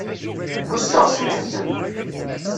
Ḥusseɣ s leḥzen.